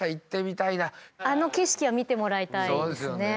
あの景色は見てもらいたいですね。